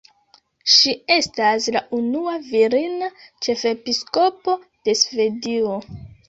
Ŝi estas la unua virina ĉefepiskopo de Svedio.